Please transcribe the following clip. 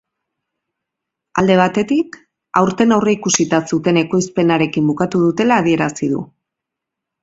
Alde batetik, aurten aurreikusita zuten ekoizpenarekin bukatu dutela adierazi du.